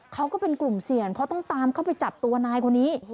ก็เป็นกลุ่มเสี่ยงเพราะต้องตามเข้าไปจับตัวนายคนนี้